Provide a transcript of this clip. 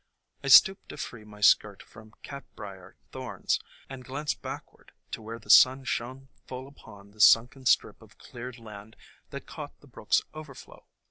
I stooped to free my skirt from Catbrier thorns, and glanced back ward to where the sun shone full upon the sunken strip of cleared land that caught the brook's overflow.